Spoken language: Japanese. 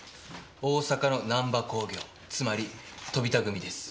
大阪の難波興業つまり飛田組です。